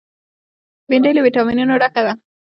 بېنډۍ له ویټامینونو ډکه ده